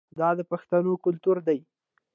دا د پښتنو کلتور دی.